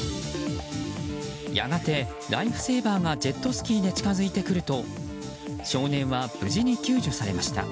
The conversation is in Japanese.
やがてライフセーバーがジェットスキーで近づいてくると少年は無事に救助されました。